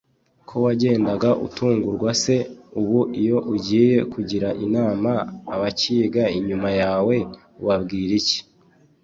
Ko wagendaga utungurwa se ubu iyo ugiye kugira inama abacyiga inyuma yawe ubabwira iki